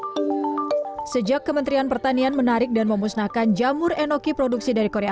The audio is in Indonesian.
hai sejak kementerian pertanian menarik dan memusnahkan jamur enoki produksi dari korea